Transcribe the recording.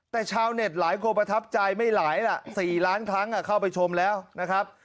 แต่ชาวเน็ตหลายคนประทับใจไม่หลายล่ะ๔ล้านครั้งเข้าไปชมแล้วนะครับ